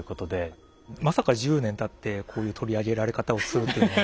まさか１０年たってこういう取り上げられ方をするというのは。